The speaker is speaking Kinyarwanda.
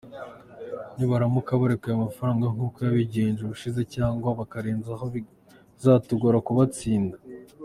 Nibaramuka barekuye amafaranga nkuko babigenje ubushize cyangwa bakarenzaho bizatugora kubatsinda.